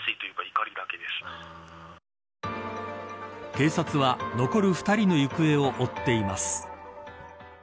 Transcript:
警察は残る２人の行方を追っています。